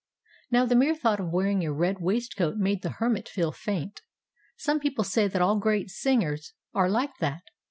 Now, the mere thought of wearing a red waistcoat made the Hermit feel faint. Some people say that all great singers are like that.